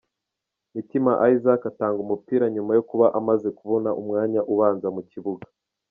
Mitima Isaac atanga umupira nyuma yo kuba amaze kubona umwanya ubanza mu kibuga.